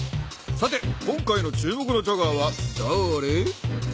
さて今回の注目のチャガーはだれ？